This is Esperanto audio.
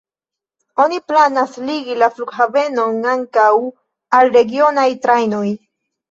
Oni planas ligi la flughavenon ankaŭ al regionaj trajnoj.